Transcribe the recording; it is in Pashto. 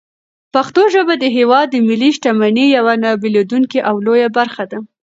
پښتو ژبه د هېواد د ملي شتمنۍ یوه نه بېلېدونکې او لویه برخه ده.